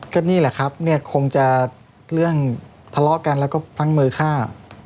ก็นี่แหละครับเนี่ยคงจะเรื่องทะเลาะกันแล้วก็พลั้งมือฆ่า